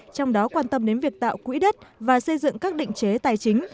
trong đó quan tâm đến việc tạo quỹ đất và xây dựng các định chế tài chính